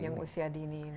yang usia dini